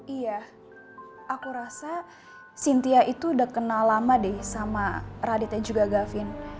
iya aku rasa sintia itu udah kenal lama deh sama raditnya juga gavin